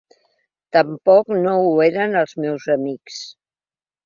Tampoc no ho eren els meus amics.